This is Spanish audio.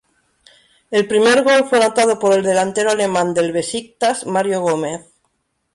El primer gol fue anotado por el delantero alemán del Besiktas Mario Gómez.